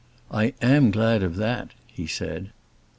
"I am glad of that," he said.